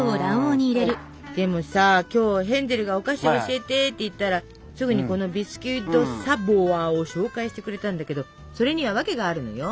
でもさ今日ヘンゼルがお菓子教えてって言ったらすぐにこのビスキュイ・ド・サヴォワを紹介してくれたんだけどそれにはワケがあるのよ。